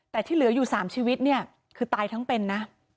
แต่ที่เหลืออยู่๓ชีวิตเนี่ยคือตายทั้งเป็นนะ